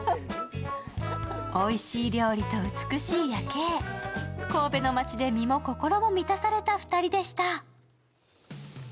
おいしい料理と美しい夜景、神戸の街で身も心も満たされた２人でした。